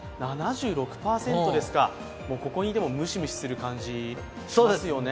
７６％ですか、ここにいてもムシムシする感じしますよね。